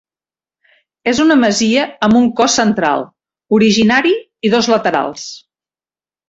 És una masia amb un cos central, originari i dos laterals.